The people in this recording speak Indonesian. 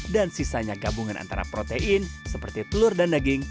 dan sisanya gabungan antara protein seperti telur dan daging